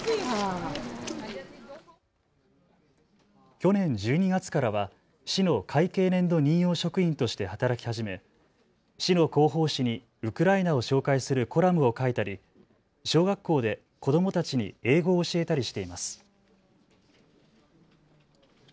去年１２月からは市の会計年度任用職員として働き始め、市の広報紙にウクライナを紹介するコラムを書いたり小学校で子どもたちに英語を教えたりしています。